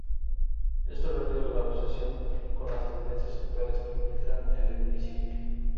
Esto refleja la obsesión con las tendencias actuales que infiltran el edificio.